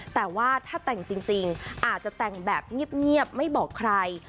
แต่ว่าถ้าแต่งจริงอาจจะแต่งแบบเงียบไม่บอกใคร